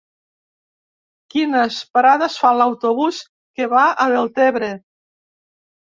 Quines parades fa l'autobús que va a Deltebre?